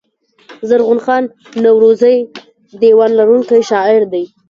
زرغون خان نورزى دېوان لرونکی شاعر دﺉ.